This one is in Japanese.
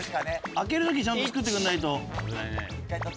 開ける時ちゃんとつくってくれないと。